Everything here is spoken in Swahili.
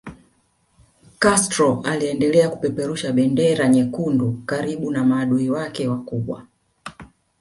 Castro aliendelea kupeperusha bendera nyekundu karibu na maadui wake wakubwa